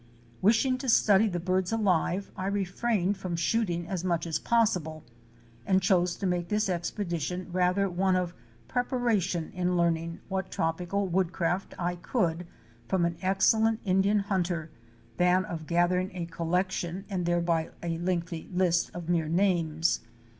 Wishing to study the birds alive I refrained from shooting as much as possible and chose to make this expedition rather one of preparation in learning what tropical wood craft I could from an excellent Indian hunter, than of gathering a collection and thereby a lengthy list of mere names.